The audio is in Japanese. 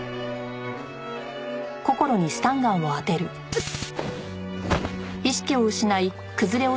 うっ！